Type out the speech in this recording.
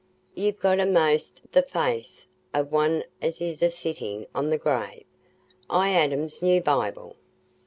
Ye've got a'most the face o' one as is a sittin' on the grave i' Adam's new Bible."